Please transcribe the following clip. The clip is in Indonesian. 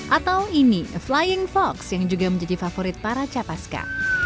atau ini flying fox yang juga menjadi favorit para capaska